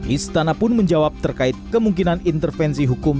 istana pun menjawab terkait kemungkinan intervensi hukum